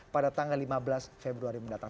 pada tanggal lima belas februari mendatang